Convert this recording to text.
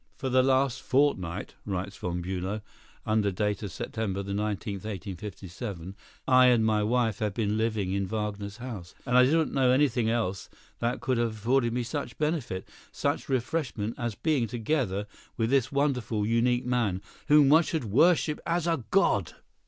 "For the last fortnight," writes Von Bülow, under date of September 19, 1857, "I and my wife have been living in Wagner's house, and I do not know anything else that could have afforded me such benefit, such refreshment as being together with this wonderful, unique man, whom one should worship as a god."